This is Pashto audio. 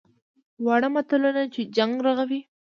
واړه ملتونه چې جنګ رغوي.